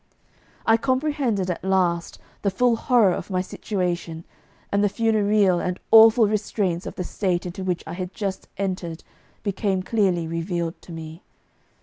I comprehended at last the full horror of my situation, and the funereal and awful restraints of the state into which I had just entered became clearly revealed to me.